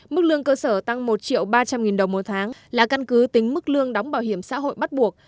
mức lương cơ sở tăng một triệu ba trăm linh nghìn đồng một tháng là căn cứ tính mức lương đóng bảo hiểm xã hội bắt buộc